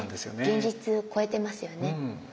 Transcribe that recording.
現実超えてますよね。